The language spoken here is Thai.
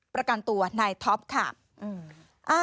ประกันตัวนายท็อปค่ะ